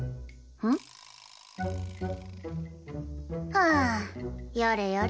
はあやれやれ。